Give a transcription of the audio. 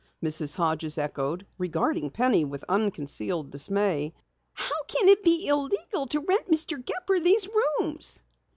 Mrs. Hodges echoed, regarding Penny with unconcealed dismay. "How can it be illegal to rent Mr. Gepper these rooms?"